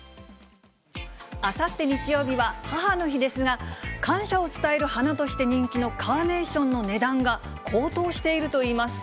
あさって日曜日は母の日ですが、感謝を伝える花として人気のカーネーションの値段が高騰しているといいます。